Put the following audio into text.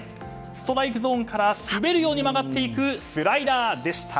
ストライクゾーンから滑るように曲がっていくスライダーでした。